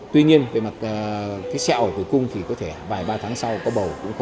tuy nhiên về mặt cái xeo ở tử cung thì có thể vài ba tháng sau có bầu